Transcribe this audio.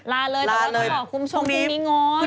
ลาเลยต้องขอขอบคุณผู้ชมคุณนิงอส